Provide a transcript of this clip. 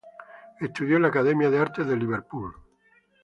Estudió en la Academia de Artes de Liverpool.